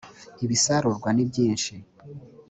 ibisarurwa ni byinshi